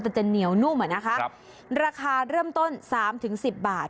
แต่จะเหนียวนุ่มอ่ะนะคะครับราคาเริ่มต้นสามถึงสิบบาท